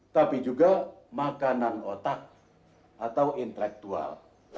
tapi juga makanan otak atau intelektual